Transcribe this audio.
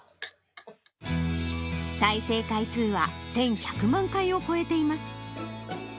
再生回数は１１００万回を超えています。